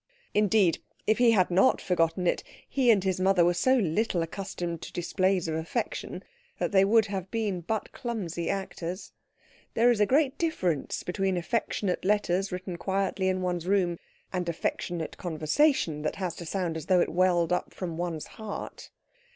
Indeed, if he had not forgotten it, he and his mother were so little accustomed to displays of affection that they would have been but clumsy actors. There is a great difference between affectionate letters written quietly in one's room, and affectionate conversation that has to sound as though it welled up from one's heart.